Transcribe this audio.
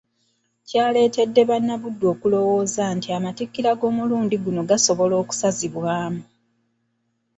Kyaleetedde bannabuddu okulowooza nti Amatikkira g’omulundi guno gasobola okusazibwamu.